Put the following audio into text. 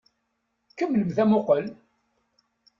Kemmlemt amuqqel!